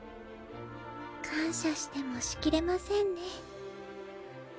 感謝してもしきれませんね。